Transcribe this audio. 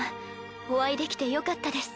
お会いできてよかったです。